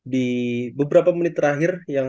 di beberapa menit terakhir